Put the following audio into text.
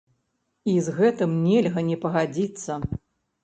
І з гэтым нельга не пагадзіцца.